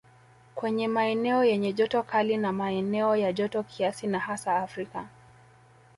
Kwenye maeneo yenye joto kali na maeneo ya joto kiasi na hasa Afrika